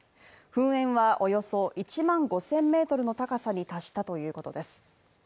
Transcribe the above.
噴煙はおよそ１万５０００ｍの高さに達したということです。